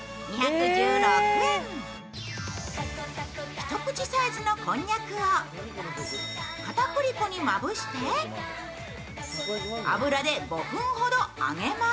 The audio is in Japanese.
一口サイズのこんにゃくを片栗粉にまぶして油で５分ほど揚げます。